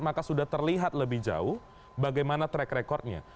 maka sudah terlihat lebih jauh bagaimana track recordnya